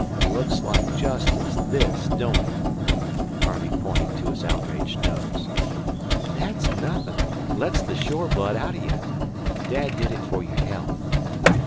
"Looks like justice, this, don't it?" Harvey pointed to his outraged nose. "Thet's nothin'. Lets the shore blood outer you. Dad did it for yer health.